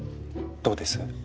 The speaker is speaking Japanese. どうです？